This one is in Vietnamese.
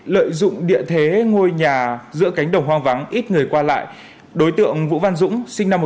lợi dụng địa thế ngôi nhà giữa cánh đồng hoang vắng ít người qua lại đối tượng vũ văn dũng sinh năm một nghìn chín trăm tám mươi